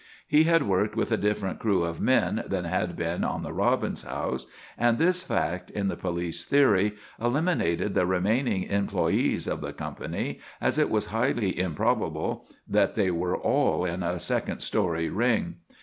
He had worked with a different crew of men than had been on the Robbins house, and this fact, in the police theory, eliminated the remaining employees of the company as it was highly improbable that they were all in a "second story" ring.